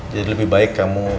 jadi lebih baik kamu